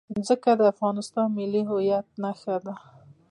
ځمکه د افغانستان د ملي هویت نښه ده.